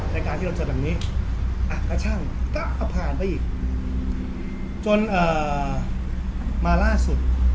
ในการที่เราเจอแบบนี้อ่ะแล้วช่างก็อับผ่านไปอีกจนเอ่อมาล่าสุด